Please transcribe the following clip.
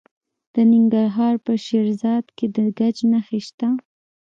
د ننګرهار په شیرزاد کې د ګچ نښې شته.